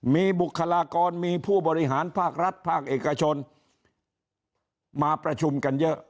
มีบุคลากรมีผู้บริหารภาครัฐภาคเอกชนมาประชุมกันเยอะ